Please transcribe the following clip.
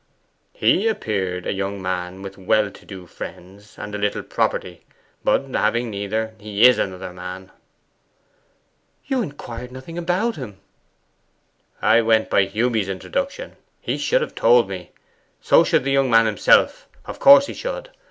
'He appeared a young man with well to do friends, and a little property; but having neither, he is another man.' 'You inquired nothing about him?' 'I went by Hewby's introduction. He should have told me. So should the young man himself; of course he should.